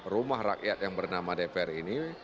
rumah rakyat yang bernama dpr ini